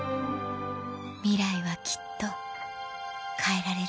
ミライはきっと変えられる